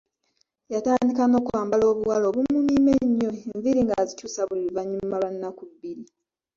Yatandika n’okwambala obuwale obumumiima ennyo, enviiri ng’azikyusa buli luvannyuma lwa nnaku bbiri.